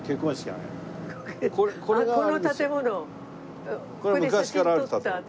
あっこの建物ここで写真撮った私。